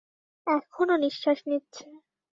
এখনো নিশ্বাস নিচ্ছে।